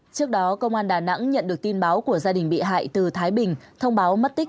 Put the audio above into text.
trước đó công an đà nẵng nhận được tin báo của gia đình bị hại từ thái bình thông báo mất tích